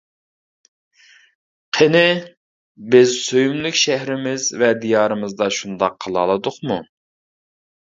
قېنى! ، بىز سۆيۈملۈك شەھىرىمىز ۋە دىيارىمىزدا شۇنداق قىلالىدۇقمۇ! ؟.